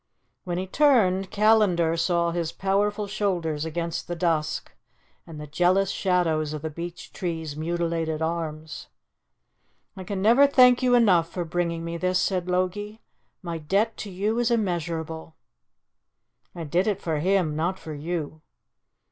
When he turned, Callandar saw his powerful shoulders against the dusk and the jealous shadows of the beech tree's mutilated arms. "I can never thank you enough for bringing me this," said Logie. "My debt to you is immeasurable." "I did it for him not for you."